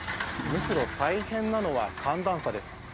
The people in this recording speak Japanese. むしろ大変なのは寒暖差です。